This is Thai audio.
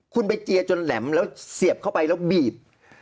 คุณไปเจียจนแหลมแล้วเสียบเข้าไปแล้วบีบ